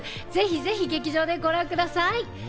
ぜひぜひ劇場でご覧ください！